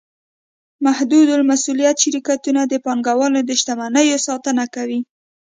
محدودالمسوولیت شرکتونه د پانګهوالو د شتمنیو ساتنه کوي.